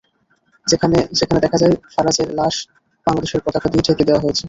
সেখানে দেখা যায় ফারাজের লাশ বাংলাদেশের পতাকা দিয়ে ঢেকে দেওয়া হয়েছে।